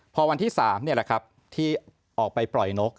พอวันที่๓นี่แหละครับที่ออกไปปล่อยนก